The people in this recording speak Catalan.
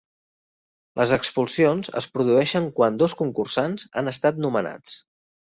Les expulsions es produeixen quan dos concursants han estat nomenats.